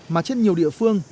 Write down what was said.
mà trên nhiều địa phương